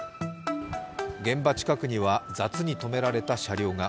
現場近くには雑にとめられた車両が。